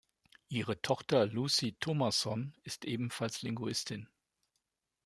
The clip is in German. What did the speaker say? Ihre Tochter Lucy Thomason ist ebenfalls Linguistin.